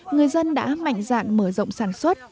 người dân đã mạnh dạn mở rộng sản xuất